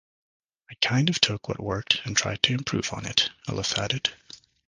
I kind of took what worked and tried to improve on it, Ellis added.